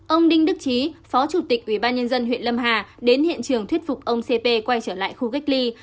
ông đinh đức trí phó chủ tịch ubnd huyện lâm hà đến hiện trường thuyết phục ông cp quay trở lại khu cách ly